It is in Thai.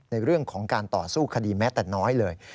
ในเรื่องของการต่อสู้คดีแม้แต่น้อยเลย